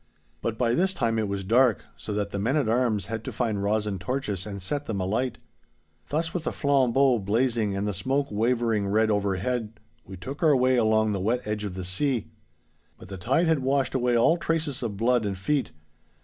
But by this time it was dark, so that the men at arms had to find rosin torches and set them alight. 'Thus with the flambeaux blazing and the smoke wavering red overhead we took our way along the wet edge of the sea. But the tide had washed away all traces of blood and feet.